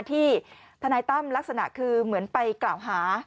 ที่ทนายตั้มลักษณะคือเหมือนไปกล่าวหา